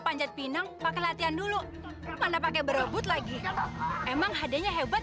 panjat pinang pakai latihan dulu mana pakai berebut lagi emang hadiahnya hebat